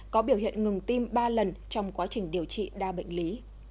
có biểu hiện ngừng tim ba lần trong quá trình điều trị đa bệnh lý